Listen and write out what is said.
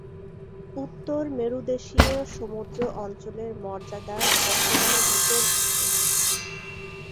উত্তর মেরুদেশীয় সমুদ্র অঞ্চলের মর্যাদা বর্তমানে বিতর্কিত।